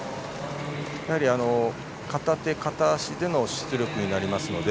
やはり片手、片足での出力になるので。